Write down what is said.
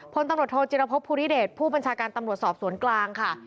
พลตำรวจโทจิรพบภูริเดชผู้บัญชาการตำรวจสอบสวนกลางค่ะ